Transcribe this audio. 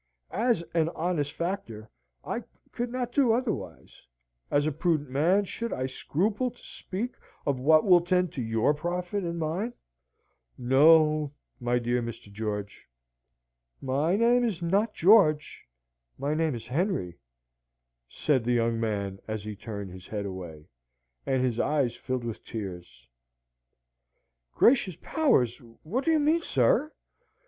As an honest factor, I could not do otherwise; as a prudent man, should I scruple to speak of what will tend to your profit and mine? No, my dear Mr. George." "My name is not George; my name is Henry," said the young man as he turned his head away, and his eyes filled with tears. "Gracious powers! what do you mean, sir?